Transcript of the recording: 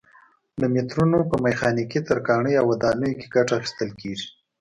له مترونو په میخانیکي، ترکاڼۍ او ودانیو کې ګټه اخیستل کېږي.